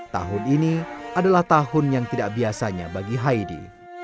tahun ini adalah tahun yang tidak biasanya bagi haidi